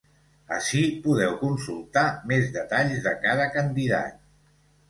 Ací podeu consultar més detalls de cada candidat.